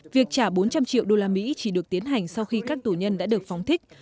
việc trả bốn trăm linh triệu usd chỉ được tiến hành sau khi các tù nhân đã được phóng thích